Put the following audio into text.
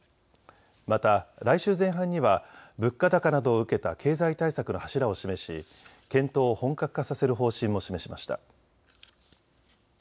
また来週前半には物価高などを受けた経済対策の柱を示し検討を本格化させる方針も示しました。